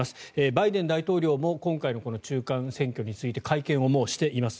バイデン大統領も今回の中間選挙について会見をもうしています。